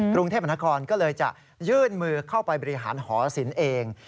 กรุงเทพมนาคมก็เลยจะยื่นมือเข้าไปบริหารหอศิลป์เอง